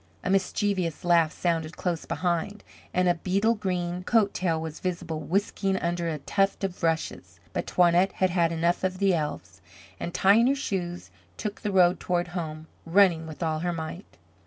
A mischievous laugh sounded close behind, and a beetle green coat tail was visible whisking under a tuft of rushes. But Toinette had had enough of the elves, and, tying her shoes, took the road toward home, running with all her might.